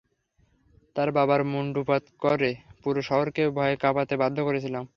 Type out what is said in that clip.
তার বাবার মুন্ডুপাত করে পুরো শহরকে ভয়ে কাঁপতে বাধ্য করেছিলাম।